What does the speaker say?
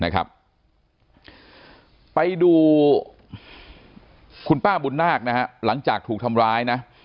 ไปดูคุณป้าบุญนาคนะฮะหลังจากถูกทำร้ายนะ